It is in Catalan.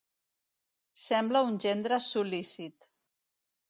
Sembla un gendre sol·lícit.